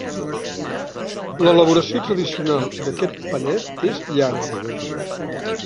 L'elaboració tradicional d'aquest panet és llarga.